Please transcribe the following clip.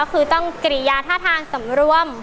คือต้องกริยาท่าทางสำรวม